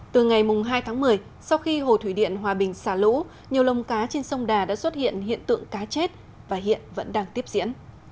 từ ngày hai tháng một mươi sau khi hồ thủy điện hòa bình xả lũ nhiều lồng cá trên sông đà đã xuất hiện hiện tượng cá chết và hiện vẫn đang tiếp diễn